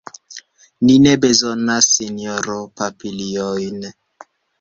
Ni ne bezonas, sinjoro, papiliojn!